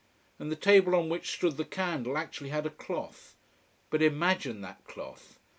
And the table on which stood the candle actually had a cloth. But imagine that cloth!